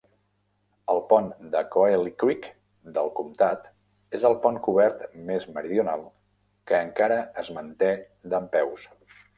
El pont de Cohelee Creek del comtat és el pont cobert més meridional que encara es mantén dempeus.